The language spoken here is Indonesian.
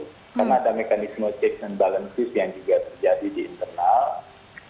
karena ada mekanisme checks and balances yang juga terjadi di internal